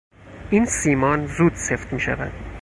این سیمان زود سفت میشود.